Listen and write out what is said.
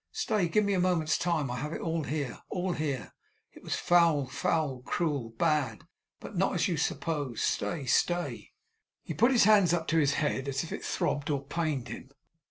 Stay! Give me a moment's time. I have it all here all here! It was foul, foul, cruel, bad; but not as you suppose. Stay, stay!' He put his hands up to his head, as if it throbbed or pained him.